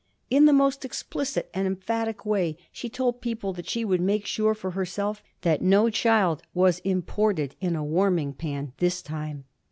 In the most explicit and emphatic way she told people that she would make sure for herself that no child was imported in a warming pan this time.